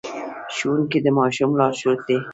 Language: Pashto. ښوونکي د ماشوم لارښود دي.